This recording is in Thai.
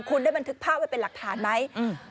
คุณได้บันทึกภาพไว้เป็นหลักฐานไหมอืม